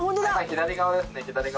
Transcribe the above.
「左側ですね左側。